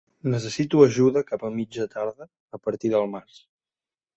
Necessito ajuda cap a mitja tarda a partir de març.